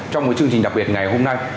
trong một chương trình đặc biệt ngày hôm nay